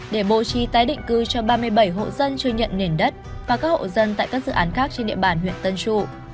để bố trí tái định cư cho ba mươi bảy hộ dân chưa nhận nền đất và các hộ dân tại các dự án khác trên địa bàn huyện tân trụ